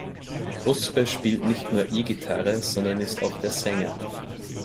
Kruspe spielt nicht nur E-Gitarre, sondern ist auch der Sänger.